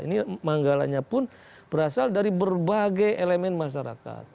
ini manggalanya pun berasal dari berbagai elemen masyarakat